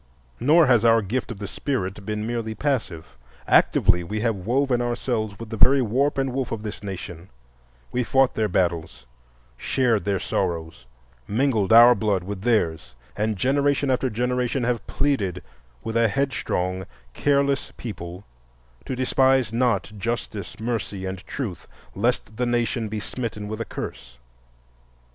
Nor has our gift of the Spirit been merely passive. Actively we have woven ourselves with the very warp and woof of this nation,—we fought their battles, shared their sorrow, mingled our blood with theirs, and generation after generation have pleaded with a headstrong, careless people to despise not Justice, Mercy, and Truth, lest the nation be smitten with a curse.